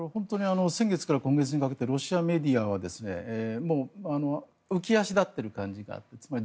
先月から今月にかけてロシアメディアはもう浮足立ってる感じになってます。